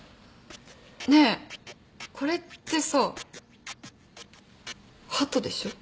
ねえこれってさハトでしょ？